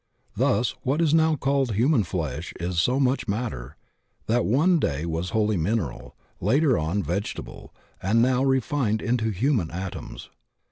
Thus what is now called human flesh is so much matter that one day was wholly mineral, later on vegetable, and now refined into human atoms.